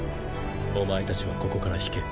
お前たちはここから退け。